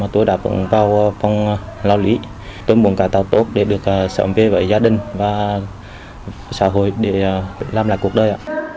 theo phong lo lý tôi muốn cải tạo tốt để được sở hữu với gia đình và xã hội để làm lại cuộc đời